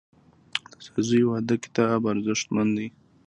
د ځاځیو واده کتاب ارزښتمن دی.